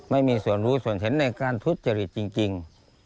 ไม่มีส่วนรู้ส่วนเห็นในการทุจริตจริง